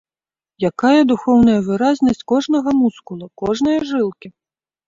Якая духоўная выразнасць кожнага мускула, кожнае жылкі!